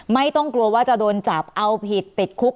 ไม่ต้องกลัวว่าจะโดนจับเอาผิดติดคุก